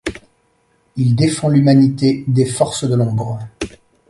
Il défend l'humanité des forces de l'ombre.